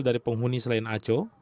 dari penghuni selain aco